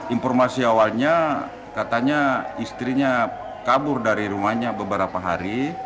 informasi awalnya katanya istrinya kabur dari rumahnya beberapa hari